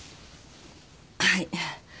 はい。